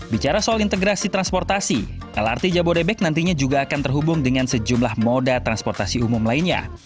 bicara soal integrasi transportasi lrt jabodebek nantinya juga akan terhubung dengan sejumlah moda transportasi umum lainnya